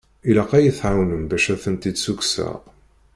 Ilaq ad yi-tɛawnem bac ad ten-id-sukkseɣ.